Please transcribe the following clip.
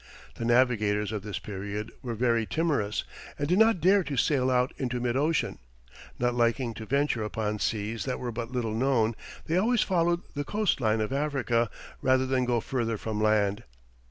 The navigators of this period were very timorous, and did not dare to sail out into mid ocean; not liking to venture upon seas that were but little known, they always followed the coast line of Africa, rather than go further from land.